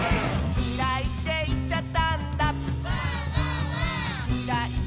「きらいっていっちゃったんだ」